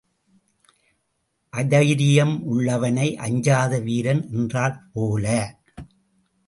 அதைரியம் உள்ளவனை அஞ்சாத வீரன் என்றாற்போல.